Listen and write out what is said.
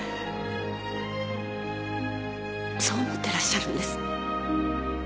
そう思ってらっしゃるんです。